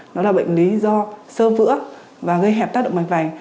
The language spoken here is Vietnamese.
nó là bệnh lý do sơ vữa và gây hẹp tác động mạch vành